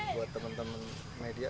buat temen temen media